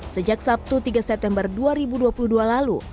sejak sabtu tiga september dua ribu dua puluh dua lalu